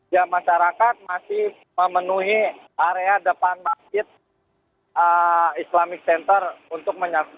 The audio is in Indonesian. ya masyarakat masih memenuhi area depan masjid islamic center untuk menyaksikan